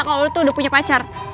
kalo lu tuh udah punya pacar